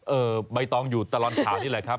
ใบตองอยู่ตลอดข่าวนี่แหละครับ